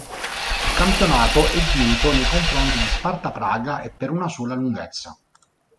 Il campionato è vinto nei confronti di Sparta Praga e per una sola lunghezza.